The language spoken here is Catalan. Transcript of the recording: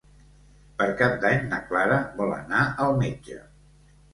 Per Cap d'Any na Clara vol anar al metge.